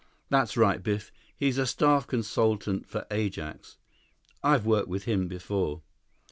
"That's right, Biff. He's a staff consultant for Ajax. I've worked with him before."